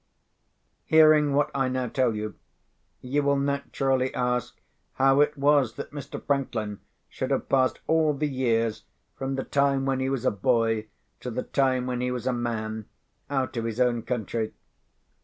Hearing what I now tell you, you will naturally ask how it was that Mr. Franklin should have passed all the years, from the time when he was a boy to the time when he was a man, out of his own country.